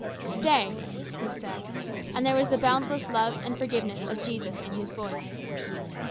"Stay," he said, and there was the boundless love and forgiveness of Jesus in his voice.